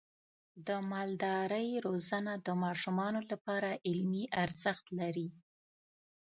د مالدارۍ روزنه د ماشومانو لپاره علمي ارزښت لري.